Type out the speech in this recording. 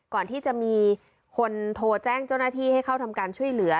ก่อนที่จะมีคนโทรแจ้งเจ้าหน้าที่ให้เข้าทำการช่วยเหลือ